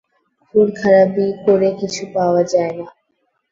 খুন খারাবি করে কিছু পাওয়া যায় না।